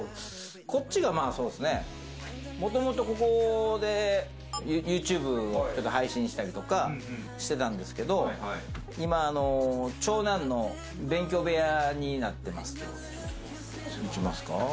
こっちが、もともとここでＹｏｕＴｕｂｅを配信したりとかしてたんですけど、今、長男の勉強部屋になってます。